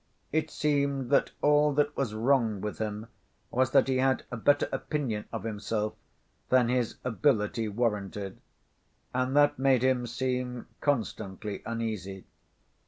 It seemed that all that was wrong with him was that he had a better opinion of himself than his ability warranted. And that made him seem constantly uneasy.